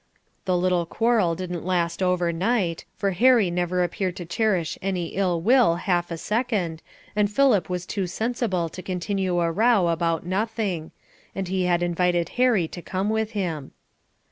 The little quarrel didn't last over night, for Harry never appeared to cherish any ill will half a second, and Philip was too sensible to continue a row about nothing; and he had invited Harry to come with him.